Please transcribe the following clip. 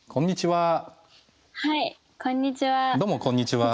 はいこんにちは。